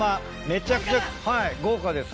めちゃくちゃ豪華です。